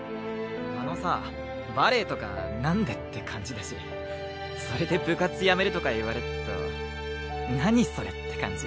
あのさバレエとか「なんで？」って感じだしそれで部活やめるとか言われっと「何？それ」って感じ。